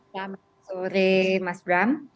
selamat sore mas bram